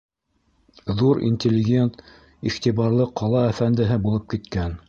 Ҙур интеллигент, иғтибарлы ҡала әфәндеһе булып киткән.